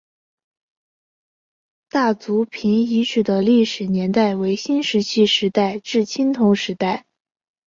大族坪遗址的历史年代为新石器时代至青铜时代。